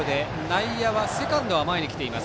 内野はセカンドは前に来ています。